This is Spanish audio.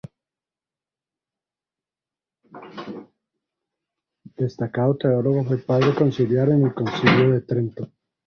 Destacado teólogo, fue Padre Conciliar en el Concilio de Trento.